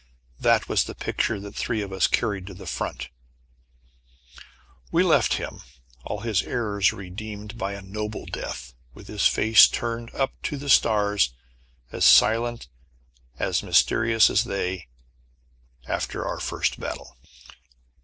That was the picture that three of us carried to the front. We left him all his errors redeemed by a noble death with his face turned up to the stars, as silent, as mysterious as they, after our first battle.